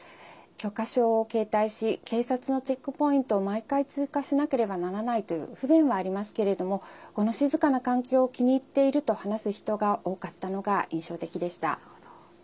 許可証を携帯し警察のチェックポイントを、毎回通過しなければならないという不便はありますけれどもこの静かな環境を気に入っていると話す人が多かったのが印象的でした。